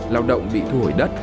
lao động bị thu hồi đất